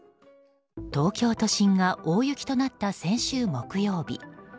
東京都心が大雪となった先週木曜日。